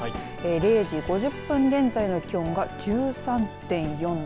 ０時５０分現在の気温は１３．４度。